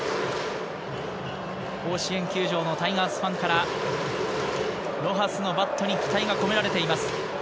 甲子園球場のタイガースファンからロハスのバットに期待が込められています。